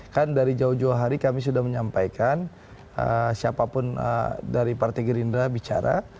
kan dari jauh jauh hari kami sudah menyampaikan siapapun dari partai gerindra bicara